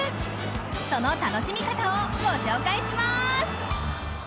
その楽しみ方をご紹介します。